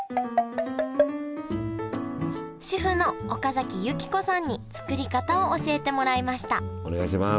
主婦の岡崎由紀子さんに作り方を教えてもらいましたお願いします